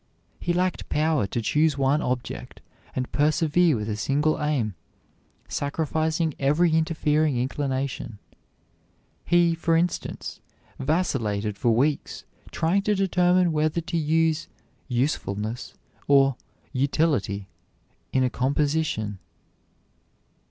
He lacked power to choose one object and persevere with a single aim, sacrificing every interfering inclination. He, for instance, vacillated for weeks trying to determine whether to use "usefulness" or "utility" in a composition.